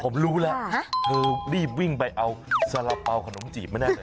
ผมรู้แล้วเธอรีบวิ่งไปเอาสระเป๋าของหนุ่มจีบไม่ได้เลย